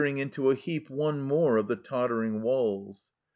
ng into a heap one more of the tottering walls.